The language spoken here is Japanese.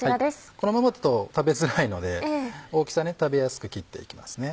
このままだと食べづらいので大きさね食べやすく切っていきますね。